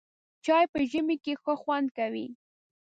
چای په ژمي کې ښه خوند کوي.